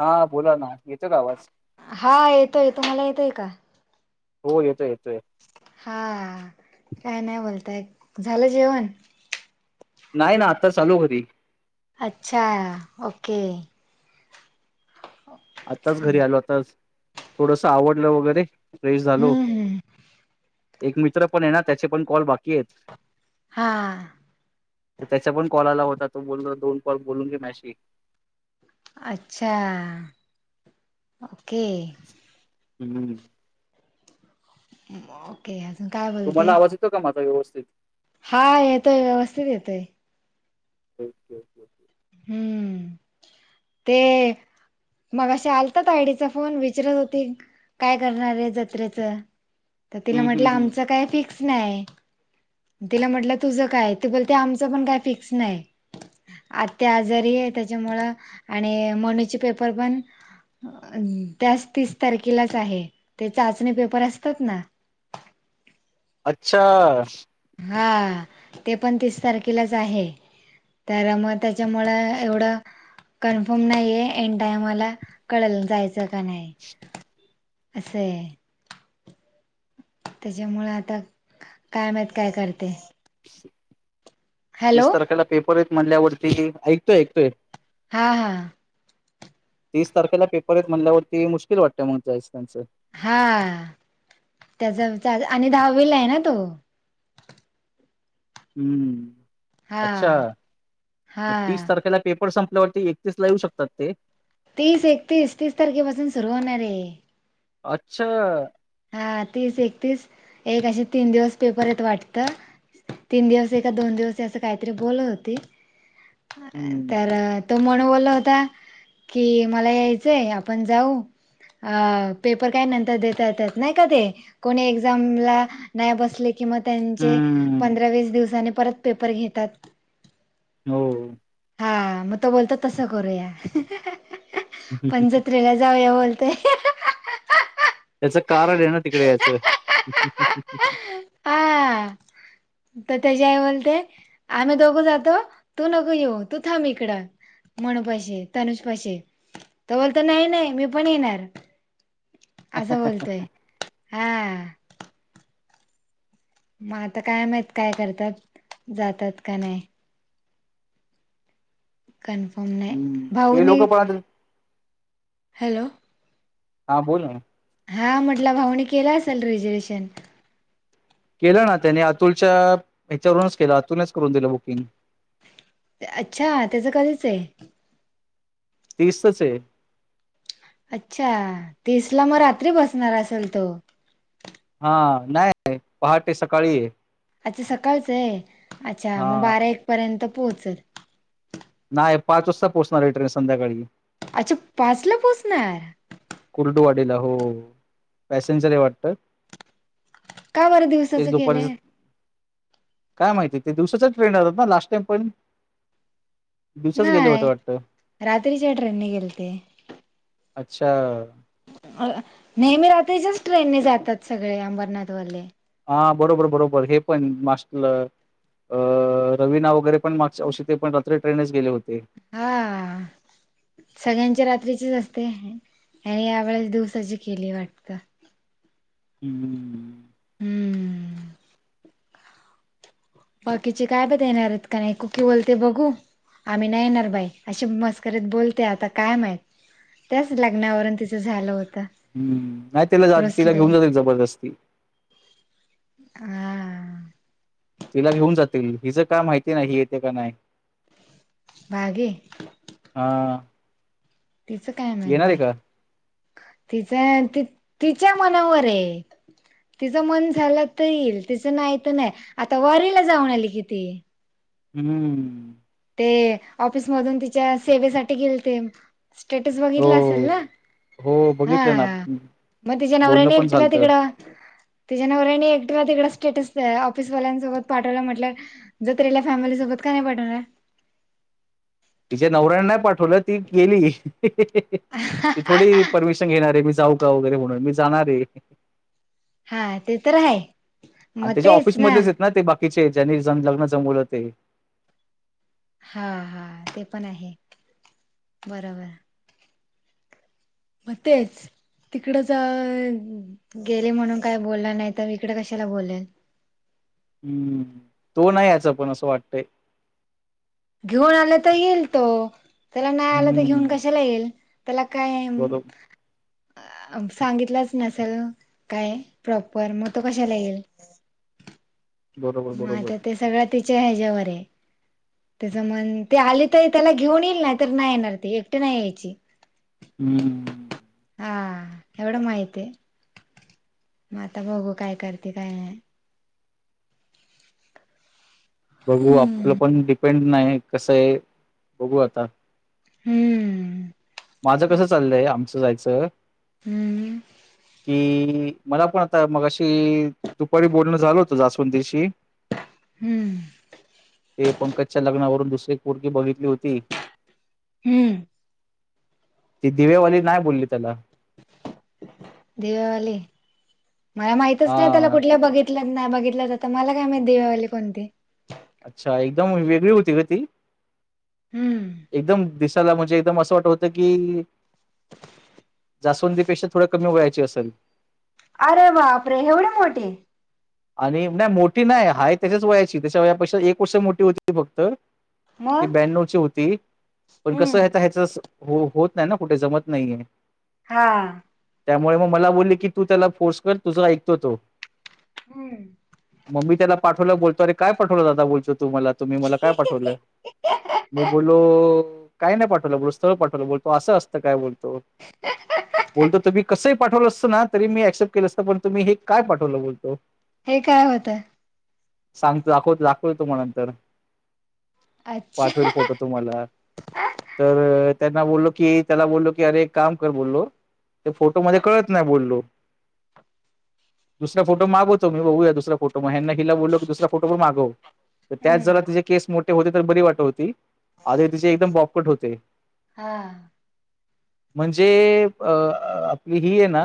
हा बोला ना येतो का आवाज? हा येतोय तुम्हाला येतोय का? हो येतोय येतोय. हा काय नाही बोलताय झालं जेवण? नाही ना आत्ता चालू होती अच्छा ओके आताच घरी चालेल आलो आताच थोडंसं आवरलं वगैरे फ्रेश झालो. हम्म हम्म एक मित्र पण आहे ना त्याचे पण कॉल बाकी आहेत. हा त्याचा पण कॉल आला होता तो बोल दोन कॉल बोलून घे माझ्याशी अच्छा ओके हम्म हम्म ओके अजून काय बोलत तुम्हाला आहे? आवाज येतो का माझ व्यवस्थित हा येतोय व्यवस्थित येतो आहे. ओके ओके ओके हम्म ते मघाशी आलता तायडीचा फोन विचारत होती काय करणारे जत्रेचं तिला हम्म हम्म म्हटलं हम्म आमचं काय फिक्स फिस्क नाही तिला म्हटलं तुझं काय ते बोलते आमचं पण काय फिक्स नाही. ते आजारी त्याच्यामुळं आणि मणीचे पेपर पण त्याच तीस तारखेलाच आहे ते चाचणी पेपर असतात ना अच्छा हा ते पण तीस तारखेलाच आहे. त्याला मग त्याच्यामुळ एवढं कन्फर्म नाहीये आइन टायमाला मला कळलं जायचं का नाही. असय. त्याच्यामुळं आता काय महित काय करते? हॅलो तीस तारखेला पेपर आहेतेत म्हणल्यावरती ऐकतोय ऐकतोय हां हां तीस तारखेला पेपर येत म्हटल्यावरती मुश्किल वाटतंय जायचं त्यांचं हां त्याचा आणि दहावीला आहे ना तो हम्म हा अच्छा मग हा तीस तारखेला पेपर संपल्यावरती एकतीसला येवू शकतात ते तीस एकतीस तीस तारखेपासून सुरू होणार आहे. अच्छा हां तीस एकतीस एक असे तीन दिवस पेपर येत वाटतं. तीन दिवस दोन दिवस असं काहीतरी बोलत होती हं, तर तो मणू बोला होता कि मला यायचंय आपण जाऊ अ पेपर काय नंतर देता येतात. नाही का ते कोणी एक्झामला नाही बसले किंवा त्यांचे हं. पंधरा वीस दिवसानी परत पेपर घेतात. हो हां मग तो बोलतो तसं करूया पण जत्रेला जाऊया बोल [unintelligible] त्याच कारण आहे ना तिकडे याचं हां तर त्याच्या आई बोलते आम्ही दोघू जातो तू नको येऊ तू थांब इकडं मनूपाशी तनुज पाशी त बोलतो नाही नाही मी पण येणार असं बोलतंय हां मग आता काय माहित काय करतात जातात का नाय कनफर्म नाही हं, भाऊ ते लोकं नाय पण आता हॅलो! हा बोल ना. हां म्हटलं भाऊनी केलं असेल रिझर्वेशन? केलं ना त्याने अतुलच्या याच्यावरूनच केलं अतुलनेच करून दिलं बुकिंग. अच्छा त्याच कधीच आहे? तीसच च आहे. अच्छा तीसला मग रात्री बसणार असेल तो? हां नाय पहाटे सकाळी आहे. अच्छा सकाळचं आहे अच्छा मग हां, बारा एक पर्यंत पोहचल. नाय पाच वाजता पोहोचणार आहे ट्रेन संध्याकाळी. अच्छा पाचला पोचणार? कुर्डुवाडीला हो पॅसेंजर आहे वाटतं. का बरं तेच दिवसाचं दुपारच केलंय काय माहिती ते दिवसाच्या ट्रेन जातात ना लास्ट टाईम पण दिवसाच गेले नाय होते वाटतं. रात्रीच्या ट्रेनने गेलते. अच्छा! नेहमी रात्रीच्याच ट्रेनने जातात सगळे अंबरनाथवाले. हा बरोबर बरोबर हे पण मास्तल रविना वगैरे पण मागच्या वर्षी ते पण रात्र ट्रेनेच गेले होते. हां! सगळ्यांची रात्रीचीच असते याने यावेेळेस दिवसाची केली वाटतं. हम्म! हम्म! बाकीचे काय कधी येणार आहेत का नाही कुकी बोलते बघू आम्ही नाही येणार बाई अशी मस्करीत बोलते आता काय माहीत. त्याच लग्नावरून तिचं झालं होत. हम्म नाही तिला जात तिला घेऊन जाय जबरदस्ती. हा! तिला घेऊन जातील, हिचं काय माहिती नाही येते का नाय. बागे हा! तिचं काय माहित बाय तिचं तिच्या मनावर हाय. तिचं मन झालं तर येईल तिचं नाही तर नाही आता वारीला जाऊन आली कि ती. हम्म! ते ऑफिस मधून तिच्या सेवेसाठी गेलते. स्टेटस हो, बगितला असेल ना? हो हा बघितलं ना. म तिच्या बोलणं नवराणे पण एकटिला झालतं. तिकड तिच्या नवराने एकटिला तिकड स्टेटस ऑफिसवाल्यांसोबत पाठवलं म्हटल जत्रेला फॅमिली सोबत का नाही पाठवणार? तिच्या नवऱ्यां नाही पाठवलं ती गेली ती थोडी परमिशन घेणार आहे मी जाऊ का वगैरे म्हणून मी जाणार ए. हा ते तर हाय. आणि त्याच्या ऑफिस मधलेच आहेत ना ते बाकीचे ज्यांनी लग्न जमवलं ते. हा हा ते पण आहे बरोबर. म तेच तिकडं च गेले म्हणून काय बोलणार नाही तर इकडें कशाला बोलेल. हम्म तो नाही याचा पण असं वाटतंय. घेऊन आलं तर येईल तो त्याला नाही आला तर घेऊन हम्म, कशाला येईल. त्याला काय बरो सांगितलंच नसल काय प्रॉपर मग तो कशाला येईल. बरोबर, मग बरोबर. आता ते सगळं तिच्या ह्याच्यावर आहे. त्यासं मन ते आली तर त्याला घेऊन येईल नाही तर नाही येणार ती एकटी नाही यायची. हम्म हम्म हा एवढं माहितीय. मग आता बघू काय करते काय नाय. बघू आपलं हम्म पण डिपेंड नाही कसं आहे बघू आता. हम्म. माझं कसं चाललंय आमचं जायचं हम्म कि मला पण आता मगाशी दुपारी बोलणं झाल होत जास्वंदिशी हम्म ते पंकजच्या लग्नावरून दुसरी पोरगी बघितली होती. हम्म ती दिवेवाली नाही बोलली त्याला दिवावाली मला माहितच नाही त्याला हा, कुठल्या बघितलं ना बघितलं आता मला काय मा देवावली कोणती अच्छा एकदम वेगळी होती ग ती हम्म एकदम दि दिसायला म्हणजे एकदम असं वाट होतं की जास्वंदीपेक्षा थोड कमी वयाची असेल. अरे बाप रे एवढी मोठी आरे ऐवढी मोठी नाही हाय त्याच्याच वयाची त्याच्या वयापेक्षा एक वर्ष मोठी होती ती फक्त्त ती मग ब्याण्णवची होती पण कसं हम्म. आता ह्याच होत नाही ना कुठं जमत नाहीये. हा त्यामुळे मग मला बोलले की तू त्याला फोर्स कर तुझा ऐकतो तो हम्म मम्मी त्याला पाठवलं बोलतोर काय पाठवलं ददा बोल तो मला तुम्ही मला काय पाठवलं मी बोलो काय नाही पाठवलं बोलो स्थळ पाठवलं बोलतो असं असतं काय बोलतो बोलतो तर मी कसं पाठवलं असं ना तरी मी ऍक्सेप्ट केलं असं पण तुम्ही हे काय पाठवलं बोलतो हे काय होतय सांगतो दाखवतो दाखवतो तुम्हाला स्थळ अच्छा. पाठवेल फोटो तुम्हाला तर त्यांना बोललो की त्याला बोललो की अरे एक काम कर बोललो ते फोटो मध्ये कळत नाही बोललो दुसरा फोटो मागतो बघू यात दुसरा फोटो हिला बोललो की दुसरा फोटो माग तर त्यात हम्म. जरा तिचे केस मोठे होते तर बरी वाट होती आधी तिचे एकदम बॉपकट होते. हा म्हणजे अ आपली ही आहे ना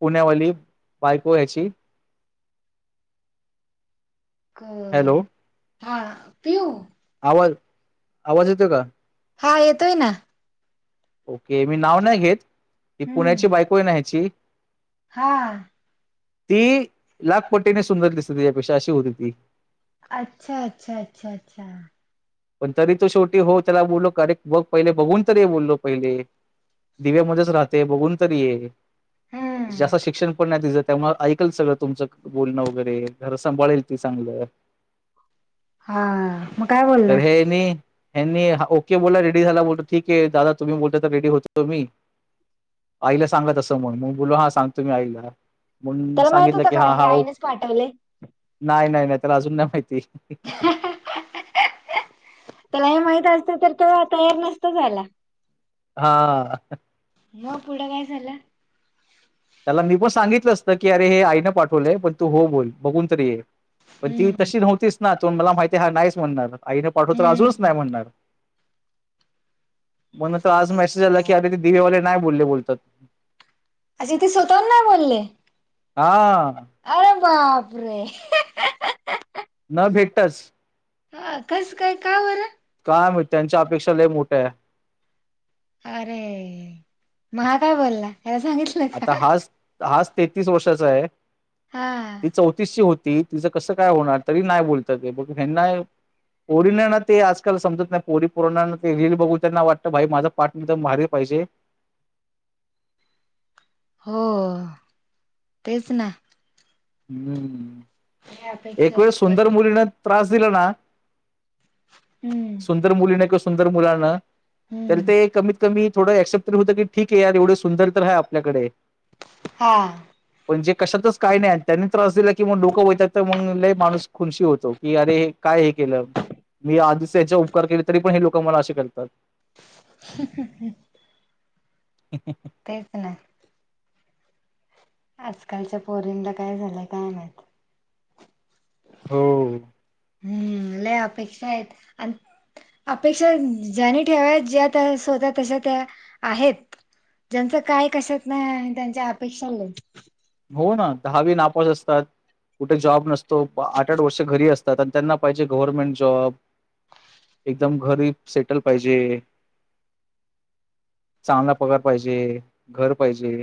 पुण्यावली बायको ह्याची अ हॅलो हा पिऊ आवाज आवाज येतो का? हा येतोय ना ओके मी नाव नाही घेत ती पुण्याची बायको होय ना ह्याची हां ती लागपट्टीने सुंदर दिसते त्याच्यापेक्षा अशी होती ती अच्छा अच्छा अच्छा अच्छा पण तरी तो शेवटी हो त्याला बोललो कारे बघ पहिले बघून तरी बोललो पहिले दिव्यामध्येच राहते बघून तरी ये हम्म जास्त शिक्षण पण नाही तिच त्यामुळे ऐकल सगळं तुमचं बोलणं वगैरे घर सांभाळेल ती चांगलं हा मग काय तर बोलला हे नि ह ओके बोला रेडी झाला बोलतो ठीक आहे दादा तुम्ही बोलता तर रेडी होतो मी आईला सांगत असं म्हणून मग बोल हां सांगतो मी आईला. म्हून त्याला माहित सांगितलं होतं की का हा हे हा आईनेच पाठवले. नाही नाही नाही त्याला अजून ना माहिती. हात का माहित असत तर तो तयार नसत झाला. हा मग पुढं काय झालं. त्याला मी पण सांगितलं असतं की अरे हे आईनं पाठवलंय पण तू हो बोल बघून तरी ये. पण ती हम्म तशी नव्हतीच ना तो मला माहितीय हा नाहीच म्हणणार. आईने पाठव तर अजूनच हम्म. नाही म्हणणार. म्हण तरो आज मेसेज आला की अरे ते दिवेवाले नाही बोलले बोलतात. अ्े [inaudible] ते स्वतून नाही बोलले. हा आरा म अपरे न भेटताच. ह कसं काय का होरं. काय मी त्यांच्या अपेक्षा ल मोठ्या आहे. अरे म हा काय बोलला याला सांगितलं. का? आता हाच हाच तेहतीस वर्षाचा आहे. हा ती चौतीसशीची होती तिचं कसं काय होणार तरी नाही बोलत ते बघ हना. पोरीनाना ते आजकाल समजत नाही पोरी पोराणाना ते रील बघू त्यांना वाटतं भाई माझं पाठ म मार पाहिजे. हो तेच ना. हम्म या अपेक्षा एक आहेत वेळ सुंदर पोरींच्या. मुलीने त्रास दिला ना. हम्म. सुंदर मुलीने किंवा सुंदर मुलाना. तर हम्म. ते कमीत कमी थोडं एक्सेप्टरी होतं की ठीक आहे यार एवढे सुंदर तर आहे आपल्याकडे हां पण जे कशातच काही नाही त्यांनी त्रास दिला की मग लडोकं होतात तर मग ल माणूस खुूनशी होतो. की अरे काय हे केलं मी आधीच याचा उपकार केले तरी पण हे लोक मला असे करतात. हूं हूं हूं ह ह तेच नाही आजकालच्या पोरींला काय झालंय काय नाहीत. हो हम्म ल अपेक्षा आहेत आणि अपेक्षा ज्यानी ठेवा ज्या त्या स् होत तशा त्या आहेत. ज्यांचं काय कशात नाही त्यांच्या अपेक्षा ल हो ना दहावी नापास असतात कुठे जॉब नसतो आठ आठ वर्ष घरी असतो. त्यांना पाहिजे गव्हर्नमेंट जॉब एकदम घरी सेटल पाहिजे. चांगला पगार पाहिजे घर पाहिजे.